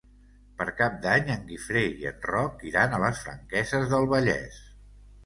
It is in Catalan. Per Cap d'Any en Guifré i en Roc iran a les Franqueses del Vallès.